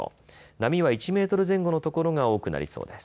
波は１メートル前後の所が多くなりそうです。